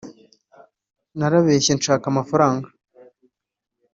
narabeshye nshaka amafaranga